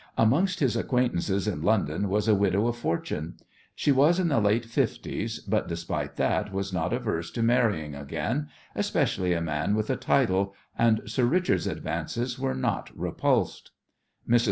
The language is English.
Amongst his acquaintances in London was a widow of fortune. She was in the late fifties, but despite that was not averse to marrying again, especially a man with a title, and "Sir Richard's" advances were not repulsed. Mrs.